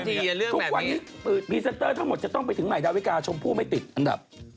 ทุกวันนี้พรีเซนเตอร์ทั้งหมดจะต้องไปถึงใหม่ดาวิกาชมพู่ไม่ติดอันดับ